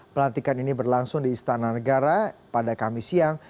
pelantikan ini berlangsung di istana negara pada kamis siang